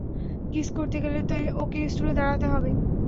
Kiss করতে গেলে তো, ওকে স্টুলে দাঁড়াতে হবে।